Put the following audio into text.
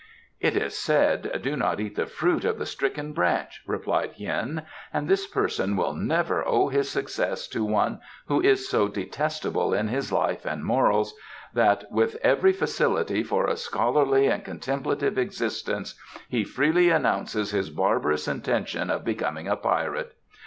"It is said, 'Do not eat the fruit of the stricken branch,'" replied Hien, "and this person will never owe his success to one who is so detestable in his life and morals that with every facility for a scholarly and contemplative existence he freely announces his barbarous intention of becoming a pirate.